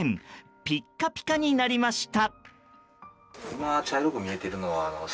ピッカピカになりました。